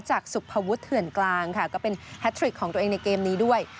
จากสุภวุฒิเถื่อนกลางค่ะก็เป็นแฮทริกของตัวเองในเกมนี้ด้วย